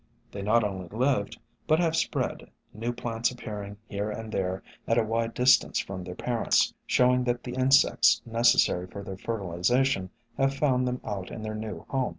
They not only lived, but have spread, new plants appearing here and there at a wide distance from their parents, showing I4O SOME HUMBLE ORCHIDS that the insects necessary for their fertilization have found them out in their new home.